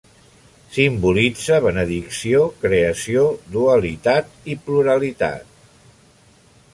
Simbolitza benedicció, creació, dualitat i pluralitat.